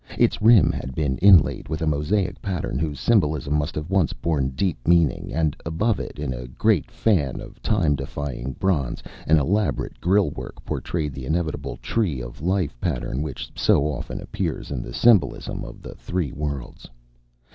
Its rim had been inlaid with a mosaic pattern whose symbolism must once have borne deep meaning, and above it in a great fan of time defying bronze an elaborate grille work portrayed the inevitable tree of life pattern which so often appears in the symbolism of the three worlds.